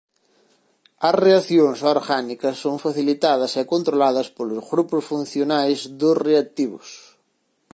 As reaccións orgánicas son facilitadas e controladas polos grupos funcionais dos reactivos.